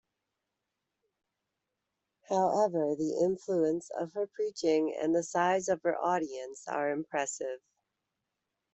However, the influence of her preaching and the size of her audience are impressive.